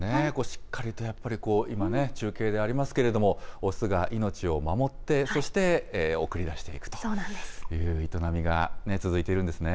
しっかりとやっぱり、今ね、中継でありますけれども、雄が命を守って、そして、送り出していくという営みが続いているんですね。